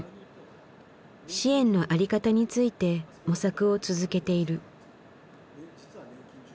支援のあり方について模索を続けている。